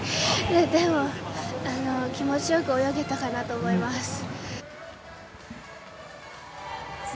でも、気持ちよく泳げたかなと思います。